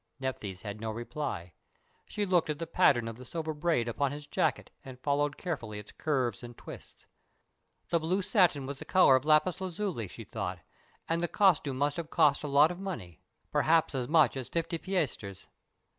Nephthys had no reply. She looked at the pattern of the silver braid upon his jacket and followed carefully its curves and twists. The blue satin was the color of lapis lazuli, she thought, and the costume must have cost a lot of money perhaps as much as fifty piasters.